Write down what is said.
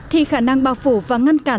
thì khả năng bao phủ và ngăn cản